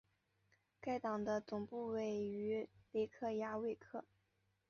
该党的总部位于雷克雅未克。